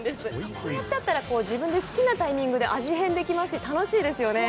これだったら自分の好きなタイミングで味変できるし楽しいですよね。